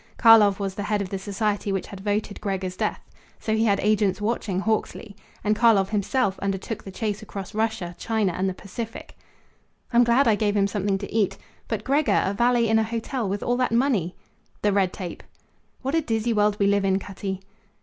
Karlov was the head of the society which had voted Gregor's death. So he had agents watching Hawksley. And Karlov himself undertook the chase across Russia, China, and the Pacific." "I'm glad I gave him something to eat. But Gregor, a valet in a hotel, with all that money!" "The red tape." "What a dizzy world we live in, Cutty!"